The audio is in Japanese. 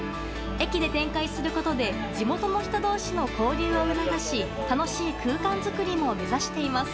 駅で展開することで地元の人同士の交流を促し楽しい空間作りも目指しています。